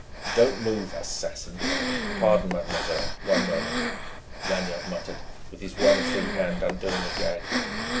"Don't move, assassin!... Pardon, mademoiselle: one moment," Lanyard muttered, with his one free hand undoing the gag.